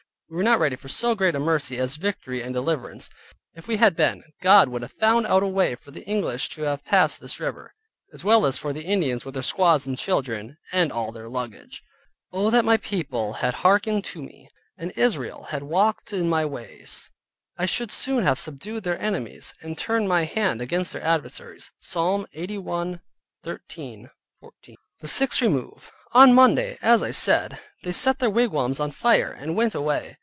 We were not ready for so great a mercy as victory and deliverance. If we had been God would have found out a way for the English to have passed this river, as well as for the Indians with their squaws and children, and all their luggage. "Oh that my people had hearkened to me, and Israel had walked in my ways, I should soon have subdued their enemies, and turned my hand against their adversaries" (Psalm 81.13 14). THE SIXTH REMOVE On Monday (as I said) they set their wigwams on fire and went away.